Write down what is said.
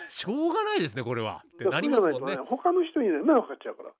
他の人に迷惑かかっちゃうから。